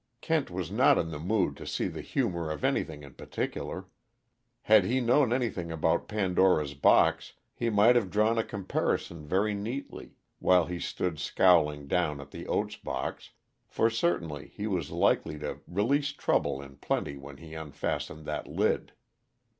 Kent was not in the mood to see the humor of anything in particular. Had he known anything about Pandora's box he might have drawn a comparison very neatly while he stood scowling down at the oats box, for certainly he was likely to release trouble in plenty when he unfastened that lid.